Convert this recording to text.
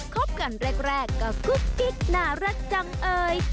คบกันแรกก็กุ๊กกิ๊กน่ารักจังเอ่ย